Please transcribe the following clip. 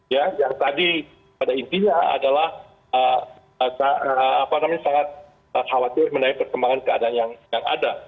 ya yang tadi pada intinya adalah sangat khawatir menaik perkembangan keadaan yang ada